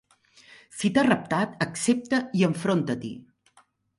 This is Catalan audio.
Si t'ha reptat, accepta i enfronta-t'hi.